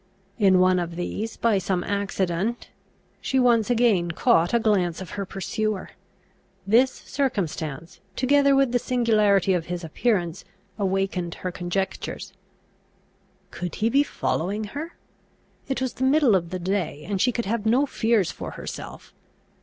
In one of these, by some accident, she once again caught a glance of her pursuer. This circumstance, together with the singularity of his appearance, awakened her conjectures. Could he be following her? It was the middle of the day, and she could have no fears for herself.